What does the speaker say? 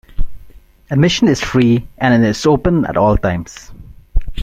Admission is free and it is open at all times.